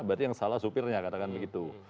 berarti yang salah supirnya katakan begitu